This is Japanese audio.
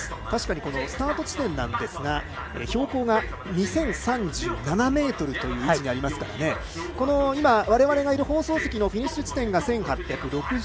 確かにスタート地点は標高２０３７ｍという位置にありますから今、我々がいる放送席のフィニッシュ地点が１６７０ｍ。